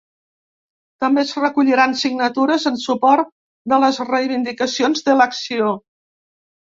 També es recolliran signatures en suport de les reivindicacions de l’acció.